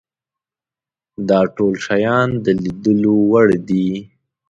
دا ټول شیان د لیدلو وړ دي.